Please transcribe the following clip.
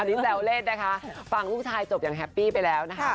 อันนี้แซวเล่นนะคะฟังลูกชายจบอย่างแฮปปี้ไปแล้วนะคะ